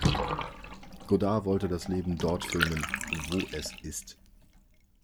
Godard wollte das Leben dort filmen, „wo es ist“.